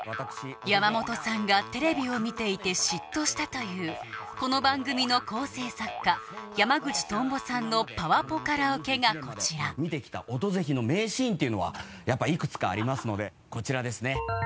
山本さんがテレビを見ていて嫉妬したというこの番組の構成作家山口トンボさんのパワポカラオケがこちら見てきた「オドぜひ」の名シーンっていうのはやっぱいくつかありますのでこちらですね。